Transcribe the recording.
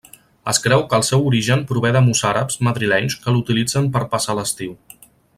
Es creu que el seu origen prové de mossàrabs madrilenys que l'utilitzen per passar l'estiu.